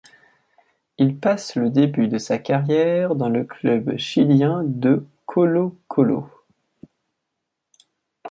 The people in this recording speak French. Il passe le début de sa carrière dans le club chilien de Colo-Colo.